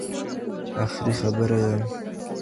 اخري خبره یې